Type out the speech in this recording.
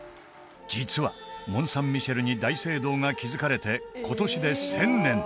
実はモン・サン・ミシェルに大聖堂が築かれて今年で１０００年！